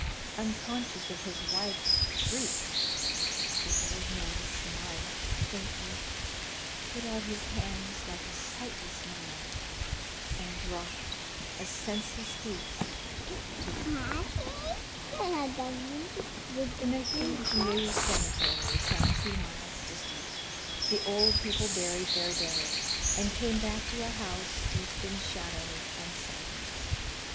Unconscious of his wife's shriek, the old man smiled faintly, put out his hands like a sightless man, and dropped, a senseless heap, to the floor. III. In the huge new cemetery, some two miles distant, the old people buried their dead, and came back to a house steeped in shadow and silence.